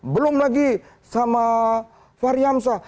belum lagi sama faryamsa